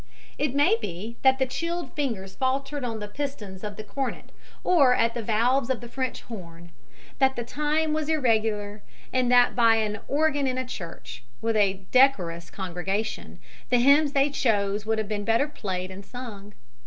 It may be that the chilled fingers faltered on the pistons of the cornet or at the valves of the French horn, that the time was irregular and that by an organ in a church, with a decorous congregation, the hymns they chose would have been better played and sung.